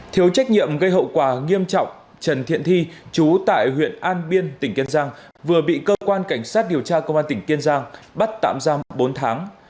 thiếu trách nhiệm gây hậu quả nghiêm trọng trần thiện thi chú tại huyện an biên tỉnh kiên giang vừa bị cơ quan cảnh sát điều tra công an tỉnh kiên giang bắt tạm giam bốn tháng